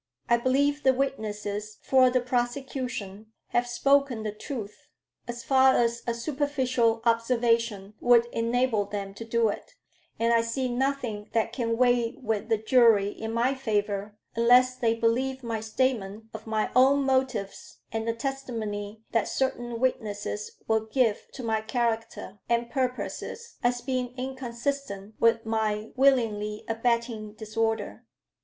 I believe the witnesses for the prosecution have spoken the truth as far as a superficial observation would enable them to do it; and I see nothing that can weigh with the jury in my favor, unless they believe my statement of my own motives, and the testimony that certain witnesses will give to my character and purposes as being inconsistent with my willingly abetting disorder.